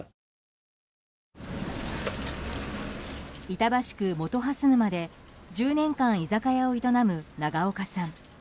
板橋区本蓮沼で１０年間、居酒屋を営む長岡さん。